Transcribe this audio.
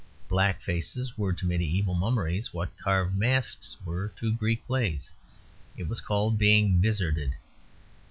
Black faces were to mediæval mummeries what carved masks were to Greek plays: it was called being "vizarded."